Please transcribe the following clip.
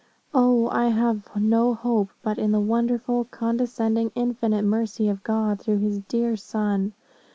O, I have no hope but in the wonderful, condescending, infinite mercy of God, through his dear Son.